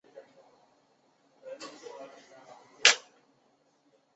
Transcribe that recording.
建炎四年出生。